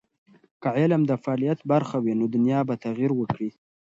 که علم د فعالیت برخه وي، نو دنیا به تغیر وکړي.